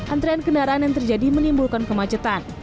antrean kendaraan yang terjadi menimbulkan kemacetan